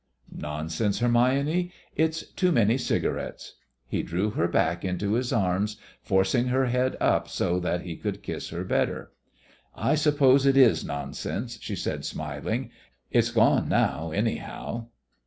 "Nonsense, Hermione. It's too many cigarettes." He drew her back into his arms, forcing her head up so that he could kiss her better. "I suppose it is nonsense," she said, smiling. "It's gone now, anyhow."